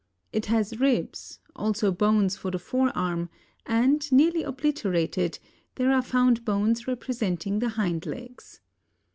It has ribs, also bones for the forearm, and, nearly obliterated, there are found bones representing the hind legs.